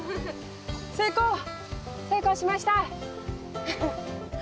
成功成功しました。